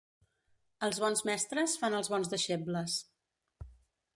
Els bons mestres fan els bons deixebles.